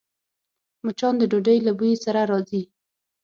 مچان د ډوډۍ له بوی سره راځي